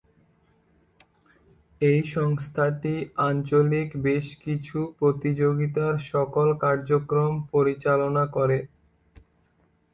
এই সংস্থাটি আঞ্চলিক বেশ কিছু প্রতিযোগিতার সকল কার্যক্রম পরিচালনা করে।